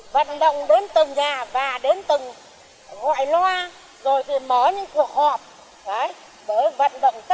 vận động đến từng nhà và đến từng nhà